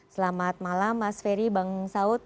selamat malam mas ferry bang saud